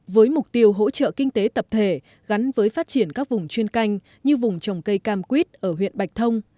với mục tiêu hỗ trợ kinh tế tập thể gắn với phát triển các vùng chuyên canh như vùng trồng cây cam quýt ở huyện bạch thông